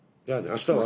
あしたは？